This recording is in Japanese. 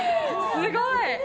すごい。